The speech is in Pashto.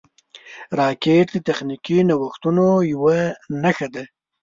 راکټ د تخنیکي نوښتونو یوه نښه ده